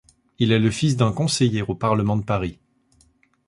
Il est le fils d'un conseiller au Parlement de Paris.